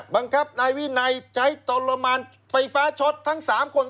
บังคับนายวินัยใช้ทรมานไฟฟ้าช็อตทั้ง๓คน